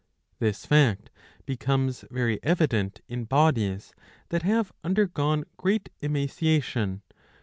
This fact becomes very evident in bodies that have undergone great emaciation.